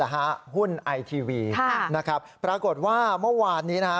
หุ้นไอทีวีนะครับปรากฏว่าเมื่อวานนี้นะฮะ